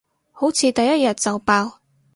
好似第一日就爆